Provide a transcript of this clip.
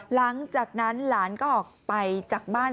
หลังจากนั้นหลานก็ออกไปจากบ้าน